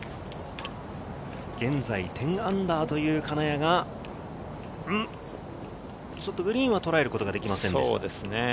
現在、−１０という金谷、ちょっとグリーンはとらえることができませんでした。